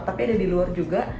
tapi ada di luar juga